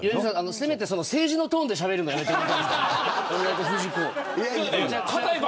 せめて政治のトーンでしゃべるのやめてください。